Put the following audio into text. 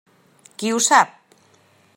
Qui ho sap?